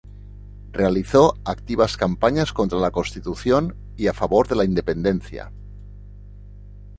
Realizó activas campañas contra la Constitución y a favor de la independencia.